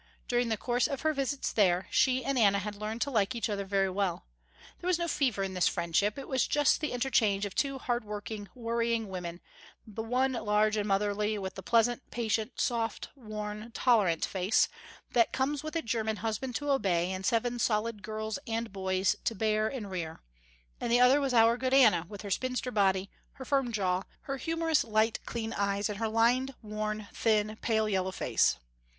During the course of her visits there, she and Anna had learned to like each other very well. There was no fever in this friendship, it was just the interchange of two hard working, worrying women, the one large and motherly, with the pleasant, patient, soft, worn, tolerant face, that comes with a german husband to obey, and seven solid girls and boys to bear and rear, and the other was our good Anna with her spinster body, her firm jaw, her humorous, light, clean eyes and her lined, worn, thin, pale yellow face.